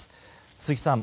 鈴木さん